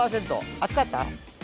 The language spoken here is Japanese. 暑かった？